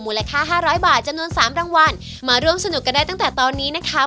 มูลค่าห้าร้อยบาทจำนวนสามรางวัลมาร่วมสนุกกันได้ตั้งแต่ตอนนี้นะคะ